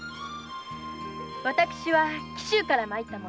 私は紀州から参った者。